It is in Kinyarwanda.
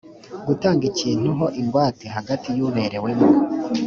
gutanga ikintu ho ingwate hagati y uberewemo